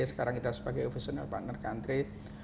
sekarang kita sebagai official partner country